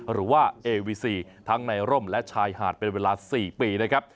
หรือว่าเอวีซีทั้งในร่มและชายหาดเป็นเวลา๔ปีนะครับ